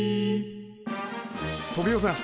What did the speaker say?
トビオさん